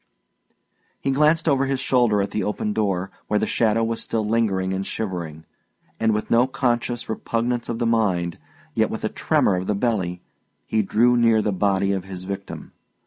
He glanced over his shoulder at the open door, where the shadow was still lingering and shivering; and with no conscious repugnance of the mind, yet with a tremor of the belly, he drew near the body of his victim.